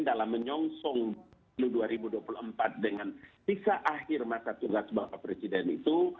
dalam menyongsong dua ribu dua puluh empat dengan sisa akhir masa tugas bapak presiden itu